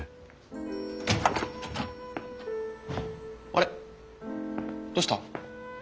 あれどうした？